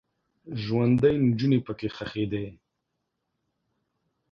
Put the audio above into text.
ژوندۍ نجونې پکې ښخیدې.